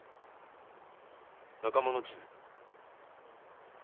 仲間の地図。